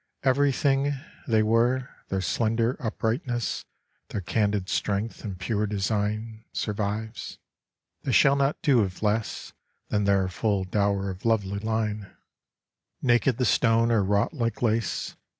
Everything They were, their slender uprightness, Their candid strength and pure design Survives. They shall not do with less Than their full dower of lovely line, 44 The Ruined Cities a Naked the stone or wrought like lace.